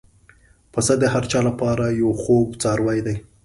پسه د هر چا له پاره یو خوږ څاروی دی.